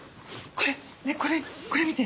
これこれ見て。